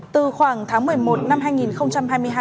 từ khoảng tháng một mươi một năm hai nghìn hai mươi hai